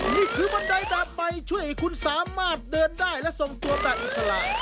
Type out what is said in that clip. นี่คือบันไดดาดใบช่วยให้คุณสามารถเดินได้และส่งตัวแบบอิสระ